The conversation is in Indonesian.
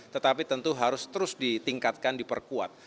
tetapi tentu harus terus ditingkatkan diperkuat